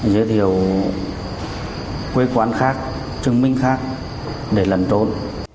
giới thiệu quê quán khác chứng minh khác để lần trốn